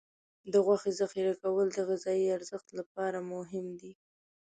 د غوښې ذخیره کول د غذايي ارزښت لپاره مهم دي.